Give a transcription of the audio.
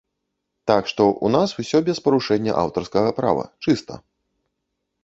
Так што, у нас усё без парушэння аўтарскага права, чыста!